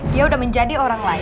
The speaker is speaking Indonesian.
dia udah menjadi orang lain